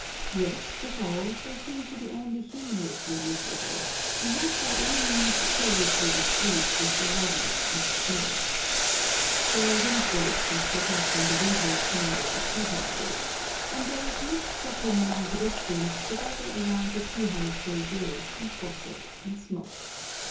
Yet, withal, they seem to be only humorously miserable, and not by any means seriously displeased with the rawness and the snow. Straw wind breaks are set up on the windward side of the tea houses, and there is much stopping among pedestrians to gather around the tea house braziers and gossip and smoke.